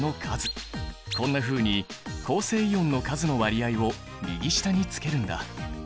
こんなふうに構成イオンの数の割合を右下につけるんだ。